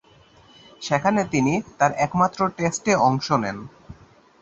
সেখানে তিনি তার একমাত্র টেস্টে অংশ নেন।